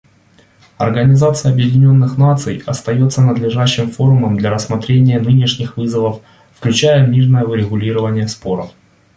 Организация Объединенных Наций остается надлежащим форумом для рассмотрения нынешних вызовов, включая мирное урегулирование споров.